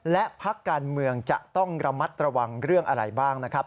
และพักการเมืองจะต้องระมัดระวังเรื่องอะไรบ้างนะครับ